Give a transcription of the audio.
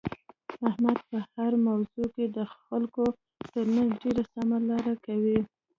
احمد په هره موضوع کې د خلکو ترمنځ ډېره سمه لاره کوي.